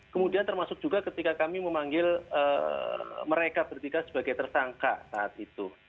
kemudian termasuk juga ketika kami memanggil mereka bertiga sebagai tersangka saat itu